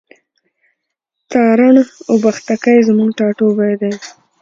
تارڼ اوبښتکۍ زموږ ټاټوبی دی.